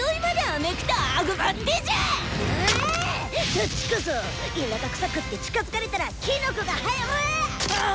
そっちこそ田舎くさくって近づかれたらキノコが生ぇらぁ。